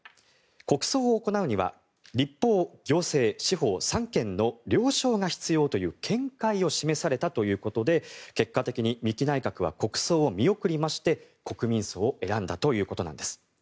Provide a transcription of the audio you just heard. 国葬を行うには立法、行政、司法三権の了承が必要という見解を示されたということで結果的に三木内閣は国葬を見送りまして国民葬を選んだということなんです。